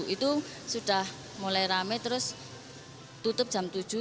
itu sudah mulai rame terus tutup jam tujuh